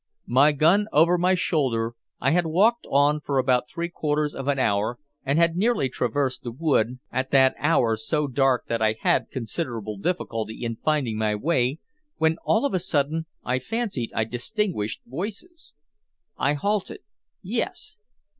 My gun over my shoulder, I had walked on for about three quarters of an hour, and had nearly traversed the wood, at that hour so dark that I had considerable difficulty in finding my way, when of a sudden I fancied I distinguished voices. I halted. Yes.